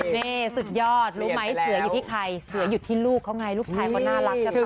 นี่สุดยอดรู้ไหมเสืออยู่ที่ใครเสืออยู่ที่ลูกเขาไงลูกชายเขาน่ารักนะ